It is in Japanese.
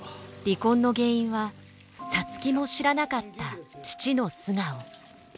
離婚の原因は皐月も知らなかった父の素顔。